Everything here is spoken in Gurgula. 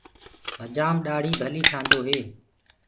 هجآم ڏآڙهي ڀلي ٺآندو هي۔